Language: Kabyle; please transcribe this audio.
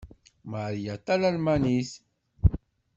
Mariya d talmanit.